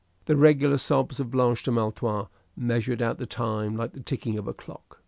The regular sobs of Blanche de Maletroit measured out the time like the ticking of a clock.